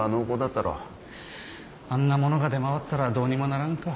あんなものが出回ったらどうにもならんか。